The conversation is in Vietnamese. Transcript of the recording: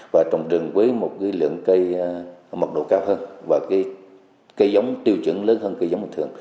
và trồng rừng với một lượng cây mật độ cao hơn và cái cây giống tiêu chuẩn lớn hơn cái giống bình thường